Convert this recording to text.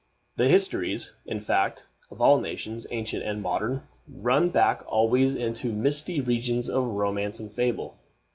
The histories, in fact, of all nations, ancient and modern, run back always into misty regions of romance and fable.